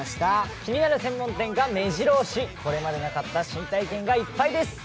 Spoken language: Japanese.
気になる専門店がめじろ押し、これまでなかった新体験がいっぱいです。